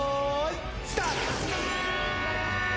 スタート。